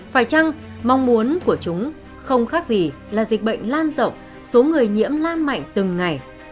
phải chăng mong muốn của chúng không khác gì là dịch bệnh lan rộng số người nhiễm lan mạnh từng ngày